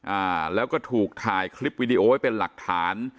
อ่าแล้วก็ถูกถ่ายคลิปวิดีโอไว้เป็นหลักฐาน